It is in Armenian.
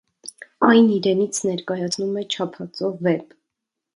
Այն իրենից ներկայացնում է չափածո վեպ։